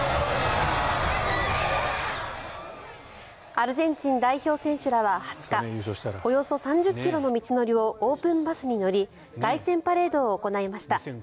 アルゼンチン代表選手らは２０日およそ３０ｋｍの道のりをオープンバスに乗り凱旋パレードを行いました。